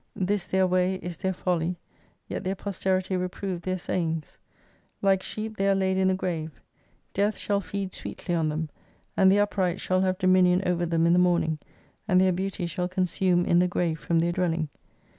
This their way is their folly, yet their posterity reprove their sayings. Like sheep they are laid in the grave, death shall feed sweetly on them, and the upright shall have dominion over them in the morfiing, and their beauty shall consume in the grave from their dwelling.